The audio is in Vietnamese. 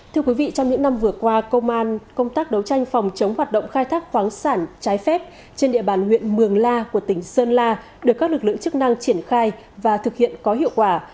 thưa quý vị trong những năm vừa qua công an công tác đấu tranh phòng chống hoạt động khai thác khoáng sản trái phép trên địa bàn huyện mường la của tỉnh sơn la được các lực lượng chức năng triển khai và thực hiện có hiệu quả